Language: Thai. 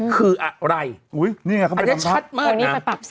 คืออะไรอันนี้ชัดมากนะ